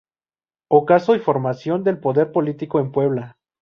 Ocaso y formación del poder político en Puebla.